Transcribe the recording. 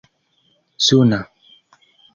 suna